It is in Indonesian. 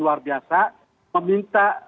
luar biasa meminta